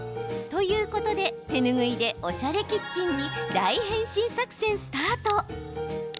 ということで、手ぬぐいでおしゃれキッチンに大変身作戦スタート！